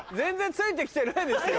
ついてってないですよ。